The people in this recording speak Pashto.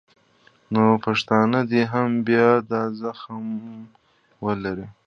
نو پښتانه دې هم بیا دا زغم ولري